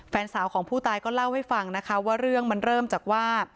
แฟนสาวของผู้ตายก็เล่าให้ฟังนะคะว่าเรื่องมันเริ่มจากว่า